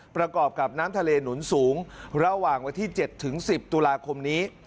ประกอบกับน้ำทะเลหนุนสูงระหว่างวันที่๗๑๐ตุลาคมนี้